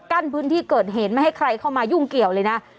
กั้นพื้นที่เกิดเหตุไม่ให้ใครเข้ามายุ่งเกี่ยวเลยนะ